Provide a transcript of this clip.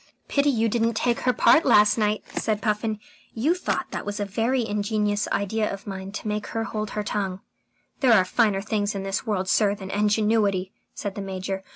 "Pity you didn't take her part last night," said Puffin. "You thought that was a very ingenious idea of mine to make her hold her tongue." "There are finer things in this world, sir, than ingenuity," said the Major.